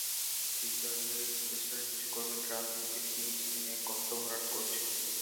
ঠিকাদারি প্রতিষ্ঠানের কিছু কর্মী ট্রাক থেকে পিচ এনে গর্ত ভরাট করছেন।